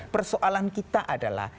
persoalan kita adalah